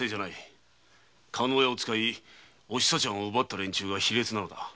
加納屋を使いおひさちゃんを奪った連中が卑劣なのだ。